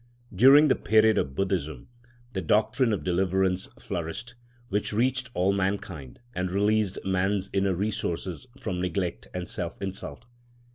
During the period of Buddhism the doctrine of deliverance flourished, which reached all mankind and released man's inner resources from neglect and self insult.